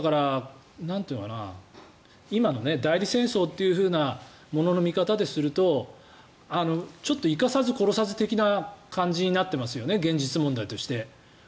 だから今の代理戦争というふうなものの見方でするとちょっと生かさず殺さず的なことになってきていますよね。現実問題として。